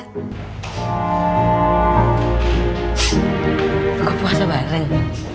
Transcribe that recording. ssst gue buka puasa bareng